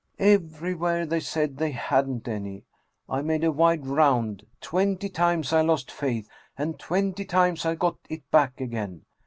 Everywhere they said they hadn't any. I made a wide round. Twenty times I lost faith, and twenty times I got it back again.